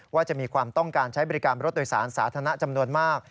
ว่าจะมีความต้องการใช้บริการรถโดยสารสาธารณะจำนวนมาก